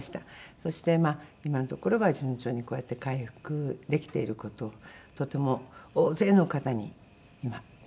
そして今のところは順調にこうやって回復できている事をとても大勢の方に今感謝してます。